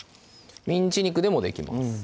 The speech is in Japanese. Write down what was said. ミンチ肉でもできます